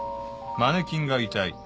マネキンが遺体。